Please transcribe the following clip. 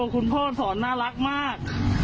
คุณพ่อสอนน่ารักมาก